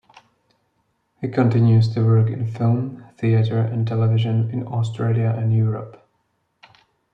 He continues to work in film, theatre and television in Australia and Europe.